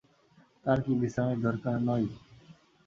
তার কি বিশ্রামের দরকার নই?